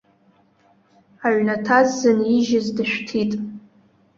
Аҩнаҭа ззынижьыз дышәҭит.